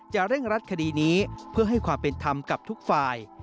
เร่งรัดคดีนี้เพื่อให้ความเป็นธรรมกับทุกฝ่าย